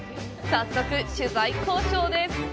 早速、取材交渉です！